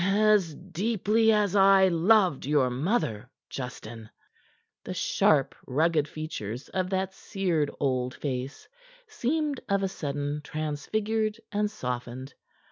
"As deeply as I loved your mother, Justin." The sharp, rugged features of that seared old face seemed of a sudden transfigured and softened.